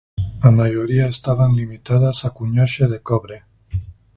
A maioría estaban limitadas á cuñaxe de cobre.